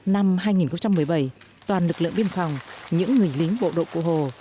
năm hai nghìn một mươi bảy toàn lực lượng biên phòng những người lính bộ đội cụ hồ